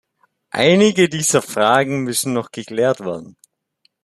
Einige dieser Fragen müssen noch geklärt werden.